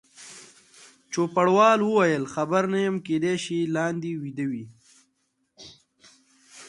چوپړوال وویل: خبر نه یم، کېدای شي لاندې بیده وي.